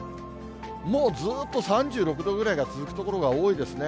もうずーっと３６度ぐらいが続く所が多いですね。